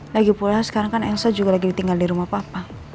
lagipula sekarang kan elsa juga lagi tinggal di rumah papa